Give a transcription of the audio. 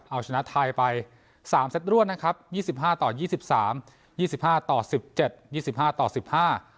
เอาชนะไทยไปสามเซตร่วนนะครับยี่สิบห้าต่อยี่สิบสามยี่สิบห้าต่อสิบเจ็ดยี่สิบห้าต่อสิบห้า